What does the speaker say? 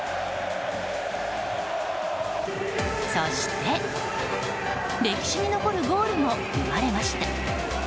そして、歴史に残るゴールも生まれました。